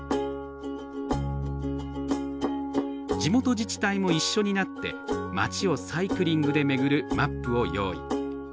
地元自治体も一緒になって街をサイクリングで巡るマップを用意。